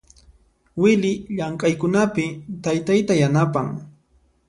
Wily llamk'aykunapi taytayta yanapan.